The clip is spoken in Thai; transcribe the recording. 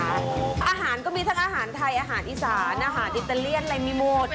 อาหารก็มีทั้งอาหารไทยอาหารอีสานอาหารอิตาเลียนอะไรมีหมด